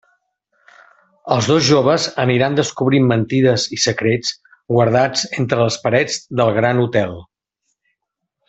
Els dos joves aniran descobrint mentides i secrets guardats entre les parets del Gran Hotel.